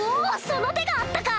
その手があったか！